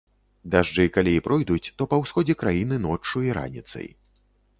Дажджы калі і пройдуць, то па ўсходзе краіны ноччу і раніцай.